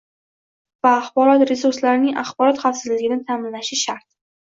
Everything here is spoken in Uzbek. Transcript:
va axborot resurslarining axborot xavfsizligini ta’minlashi shart.